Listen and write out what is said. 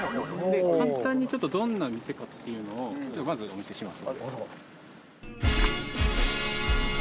簡単にどんな店かっていうのをまずお見せします